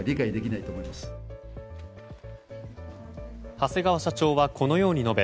長谷川社長はこのように述べ